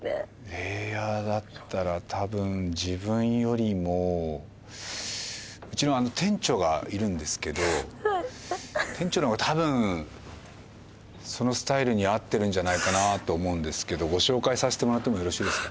レイヤーだったらたぶん自分よりもうちのあの店長がいるんですけどはい店長の方がたぶんそのスタイルに合ってるんじゃないかなと思うんですけどご紹介させてもらってもよろしいですか？